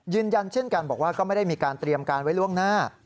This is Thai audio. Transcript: ยืนยันเช่นกันบอกว่าก็ไม่ได้มีการเตรียมการไว้ล่วงหน้า